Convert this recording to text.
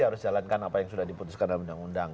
harus jalankan apa yang sudah diputuskan dalam undang undang